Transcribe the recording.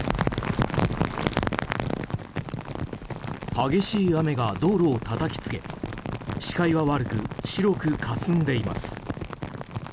激しい雨が道路をたたきつけ視界は悪く白くかすんでいます。